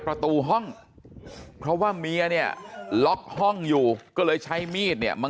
ประตูห้องเพราะว่าเมียเนี่ยล็อกห้องอยู่ก็เลยใช้มีดเนี่ยมา